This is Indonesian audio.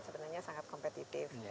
sebenarnya sangat kompetitif